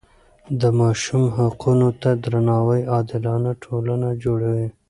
د ماشوم حقونو ته درناوی عادلانه ټولنه جوړوي.